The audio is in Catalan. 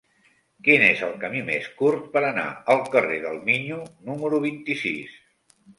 Quin és el camí més curt per anar al carrer del Miño número vint-i-sis?